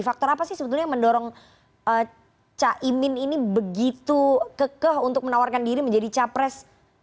faktor apa sih sebetulnya yang mendorong caimin ini begitu kekeh untuk menawarkan diri menjadi capres